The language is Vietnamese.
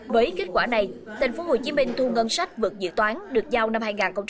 với kết quả này tp hcm thu ngân sách vượt dự toán được giao năm hai nghìn một mươi chín